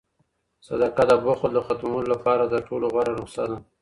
صدقه د بخل د ختمولو لپاره تر ټولو غوره نسخه ده.